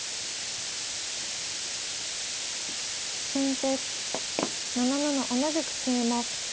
先手７七同じく桂馬。